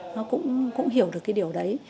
nó cũng hiểu được cái điều đấy